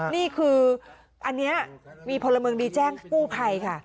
นี่คืออันนี้มีพลเมืองดีแจ้งกู้ภัยค่ะ